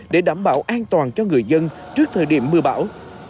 để đảm bảo an toàn cho người dân trước thời điểm mưa bão